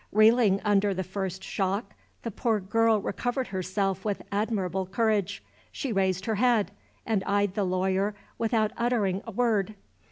Reeling under the first shock, the poor girl recovered herself with admirable courage. She raised her head, and eyed the lawyer without uttering a word.